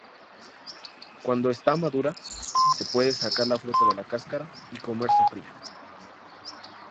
Cuando está madura, se puede sacar la fruta de la cáscara y comerse fría.